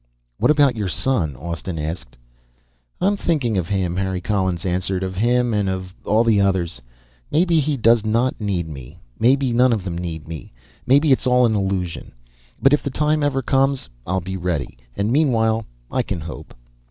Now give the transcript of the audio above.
"What about your son?" Austin asked. "I'm thinking of him," Harry Collins answered. "Of him, and of all the others. Maybe he does not need me. Maybe none of them need me. Maybe it's all an illusion. But if the time ever comes, I'll be ready. And meanwhile, I can hope."